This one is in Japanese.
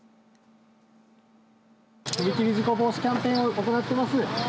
踏切事故防止キャンペーンを行っています。